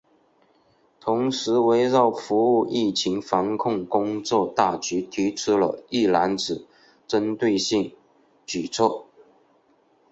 同时围绕服务疫情防控工作大局提出了“一揽子”针对性举措